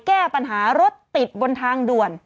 แก้ปัญหารถติดบนทางด่วน